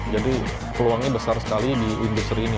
jadi peluangnya besar sekali di industri ini